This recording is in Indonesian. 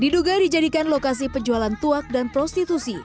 diduga dijadikan lokasi penjualan tuak dan prostitusi